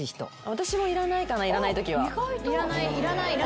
私もいらないかないらないときは。